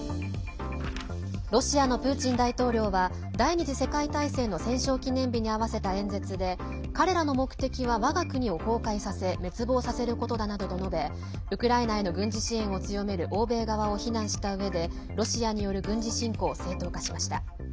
ロシアのプーチン大統領は９日の第２次世界大戦の戦勝記念日に合わせた演説で彼らの目的は我が国を崩壊させ滅亡させることだなどと述べウクライナへの軍事支援を強める欧米側を避難したうえでロシアによる軍事侵攻を正当化しました。